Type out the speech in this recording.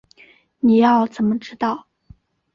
你要怎么知道